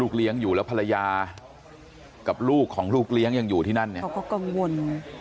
เลี้ยงอยู่แล้วภรรยากับลูกของลูกเลี้ยงยังอยู่ที่นั่นเนี่ยเขาก็กังวล